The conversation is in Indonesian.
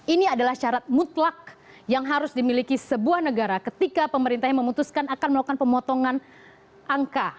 ini adalah syarat mutlak yang harus dimiliki sebuah negara ketika pemerintahnya memutuskan akan melakukan pemotongan angka